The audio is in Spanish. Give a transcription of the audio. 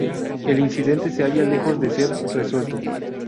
El incidente se halla lejos de ser resuelto.